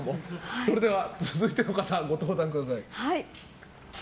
それでは続いての方ご登壇ください。